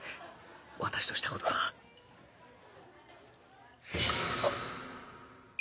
私とした事があっ！